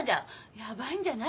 ヤバいんじゃない？